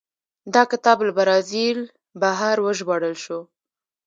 دا کتاب له برازیل بهر وژباړل شو.